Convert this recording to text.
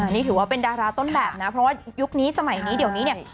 นี่ถือว่าเป็นดาราต้นแบบนะเพราะว่ายุคนี้สมัยนี้เดี๋ยวนี้เนี่ย